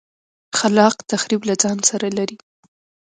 خلاق تخریب له ځان سره لري.